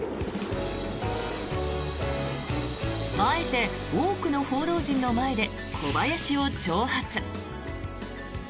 あえて多くの報道陣の前で小林を挑発。